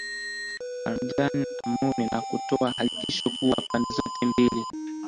parjan amoon na kutoa hakikisho kuwa pande zote mbili